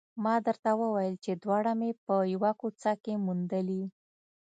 ما درته وویل چې دواړه مې په یوه کوڅه کې موندلي